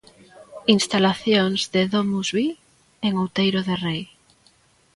Instalacións de DomusVi en Outeiro de Rei.